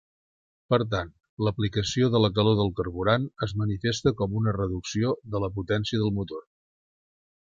Per tant, l'aplicació de la calor del carburant es manifesta com una reducció de la potència del motor.